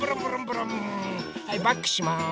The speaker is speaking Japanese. はいバックします。